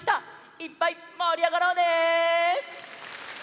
いっぱいもりあがろうね！